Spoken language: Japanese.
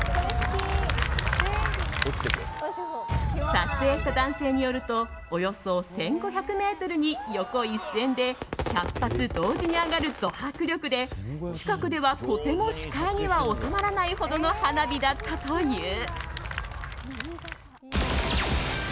撮影した男性によるとおよそ１５００ｍに横一線で１００発同時に上がるド迫力で近くではとても視界には収まらないほどの花火だったという。